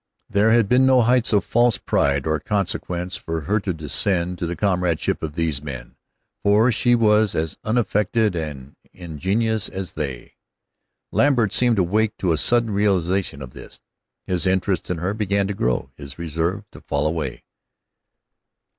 There had been no heights of false pride or consequence for her to descend to the comradeship of these men, for she was as unaffected and ingenuous as they. Lambert seemed to wake to a sudden realization of this. His interest in her began to grow, his reserve to fall away.